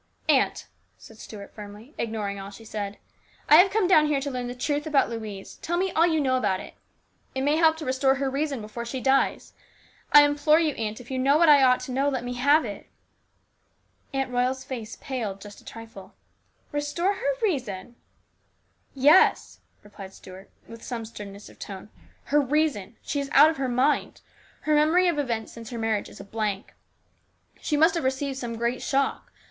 " Aunt," said Stuart firmly, ignoring all she said, " I have come down here to learn the truth about Louise. Tell me all you know about it. It may help to restore her reason before she dies. I implore you, aunt, if you know what I ought to know, to let me have it !" Aunt Royal's face paled just a trifle. " Restore her reason ?"" Yes," replied Stuart with some sternness of tone, " her reason. She is out of her mind. Her memory of events since her marriage is a blank. She must have received some great shock.